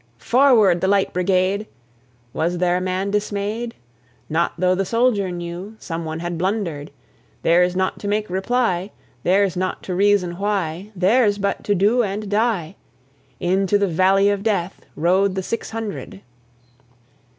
"Forward, the Light Brigade!" Was there a man dismay'd? Not tho' the soldier knew Some one had blunder'd: Theirs not to make reply, Theirs not to reason why. Theirs but to do and die: Into the valley of Death Rode the six hundred.